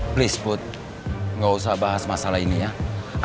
please put gak usah bahas masalah ini ya